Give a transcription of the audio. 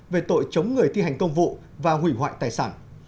về tội chống người thi hành công vụ và hủy hoại tài sản